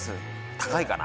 高いかな？